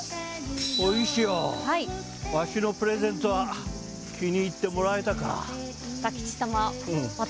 お石よわしのプレゼントは気に入ってもらえたか？